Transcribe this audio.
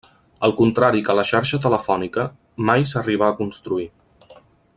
Al contrari que la xarxa telefònica, mai s'arribà a construir.